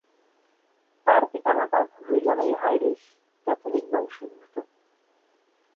তার পিতামাতা দুজনেই আইরিশ ক্যাথলিক বংশোদ্ভূত।